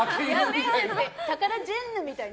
タカラジェンヌみたいな。